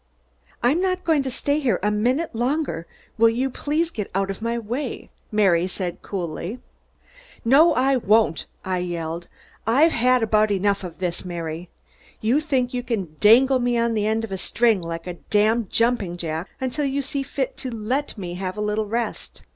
"I'm not going to stay here a minute longer. Will you please get out of my way?" Mary said coldly. "No, I won't!" I yelled. "I've had about enough of this, Mary. You think you can dangle me on the end of a string, like a damned jumping jack, until you see fit to let me have a little rest."